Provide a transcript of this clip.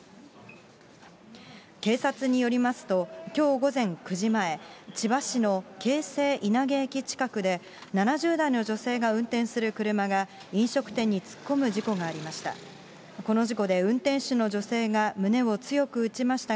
警察によりますと、きょう午前９時前、千葉市の京成稲毛駅近くで、７０代の女性が運転する車が飲食店に突っ込む事故がありました。